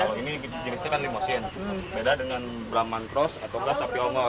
kalau ini jenisnya kan limousine beda dengan brahman cross atau sapi ongol